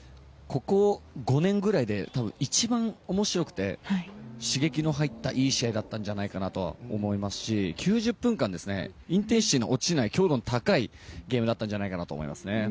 ここ５年ぐらいで多分、一番面白くて刺激の入ったいい試合だったんじゃないかなと思いますし９０分間インテンシティーの落ちない強度の高いゲームだったんじゃないかと思いますね。